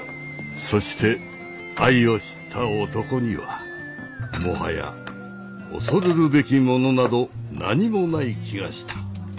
そして愛を知った男にはもはや恐るるべきものなど何もない気がした。